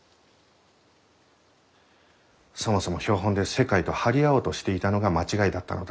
そもそも標本で世界と張り合おうとしていたのが間違いだったのだ。